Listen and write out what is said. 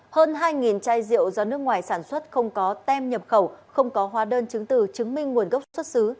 hơn hai chai rượu do nước ngoài sản xuất không có tem nhập khẩu không có hóa đơn chứng từ chứng minh nguồn gốc xuất xứ